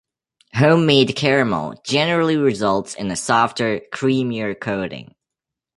Homemade caramel generally results in a softer, creamier coating.